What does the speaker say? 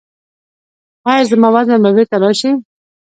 ایا زما وزن به بیرته راشي؟